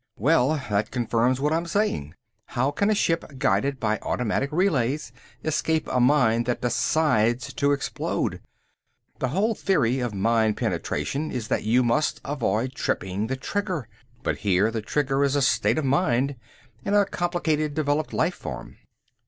"Well, that confirms what I'm saying. How can a ship guided by automatic relays escape a mine that decides to explode? The whole theory of mine penetration is that you must avoid tripping the trigger. But here the trigger is a state of mind in a complicated, developed life form."